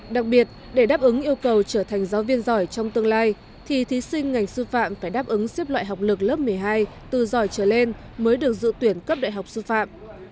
đặc biệt để đáp ứng yêu cầu trở thành giáo viên giỏi trong tương lai thì thí sinh ngành sư phạm phải đáp ứng xếp loại học lực lớp một mươi hai từ giỏi trở lên mới được dự tuyển cấp đại học sư phạm